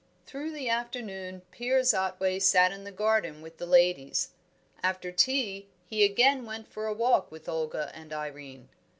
Through the afternoon Piers Otway sat in the garden with the ladies. After tea he again went for a walk with Olga and Irene.